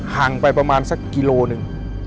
ห่างไปประมาณสักกิโลหนึ่ง